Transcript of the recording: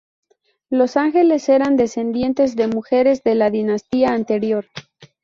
Los Angeles eran descendientes de mujeres de la dinastía anterior.